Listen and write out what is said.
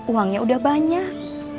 uangnya udah banyak